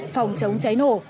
phòng chống cháy nổ